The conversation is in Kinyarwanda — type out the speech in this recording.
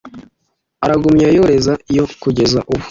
aragumya yoreza iyo kugeza ubu